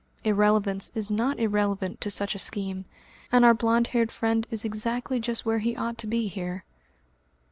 Irrelevance is not irrelevant to such a scheme, and our blond haired friend is exactly just where he ought to be here.